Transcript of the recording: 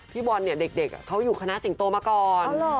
พี่บอลเนี่ยเด็กเขาอยู่คณะสิงโตมาก่อน